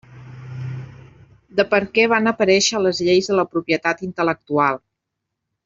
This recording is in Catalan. De per què van aparèixer les lleis de la propietat intel·lectual.